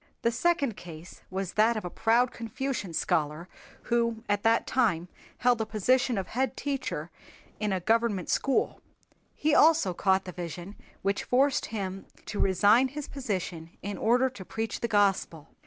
The second case was that of a proud Confucian scholar who at that time held a position of head teacher in a government school. He also caught the vision which forced him to resign his position in order to preach the Gospel.